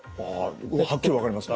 はっきり分かりますね。